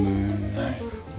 はい。